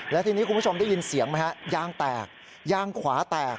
แล้วทีนี้คุณผู้ชมได้ยินเสียงไหมฮะยางแตกยางขวาแตก